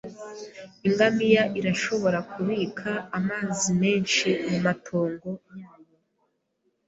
Ingamiya irashobora kubika amazi menshi mumatongo yayo.